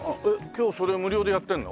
今日それ無料でやってるの？